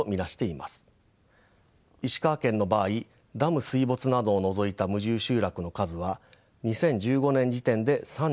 石川県の場合ダム水没などを除いた無住集落の数は２０１５年時点で３３か所